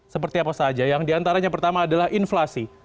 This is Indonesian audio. seperti apa saja yang diantaranya pertama adalah inflasi